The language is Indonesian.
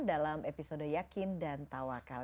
dalam episode yakin dan tawakal